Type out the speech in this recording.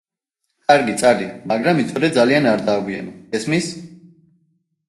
კარგი, წადი, მაგრამ იცოდე ძალიან არ დააგვიანო, გესმის?!